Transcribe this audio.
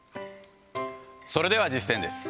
それでは実践です。